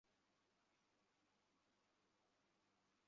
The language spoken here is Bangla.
বিল গেটসও দাঁড়িয়ে ছিল।